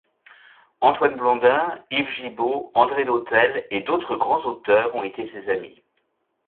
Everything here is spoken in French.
Antoine Blondin, Yves Gibeau, André Dhôtel et d'autres grands auteurs ont été ses amis.